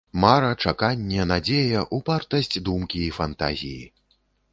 Мара, чаканне, надзея, упартасць думкі і фантазіі!